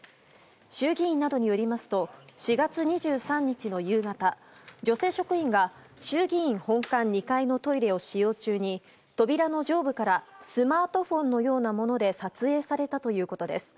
衆議院などによりますと４月２３日の夕方女性職員が衆議院本館２階のトイレを使用中に扉の上部からスマートフォンのようなもので撮影されたということです。